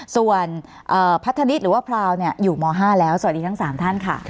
ส่วนพัฒนิษฐ์หรือว่าพราวอยู่ม๕แล้วสวัสดีทั้ง๓ท่านค่ะ